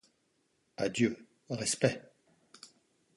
Adieu, respect !